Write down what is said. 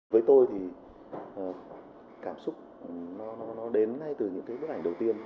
với tôi thì cảm xúc nó đến ngay từ những cái bức ảnh đầu tiên